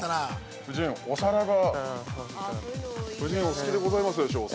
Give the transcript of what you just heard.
夫人はお好きでございますでしょう、お皿。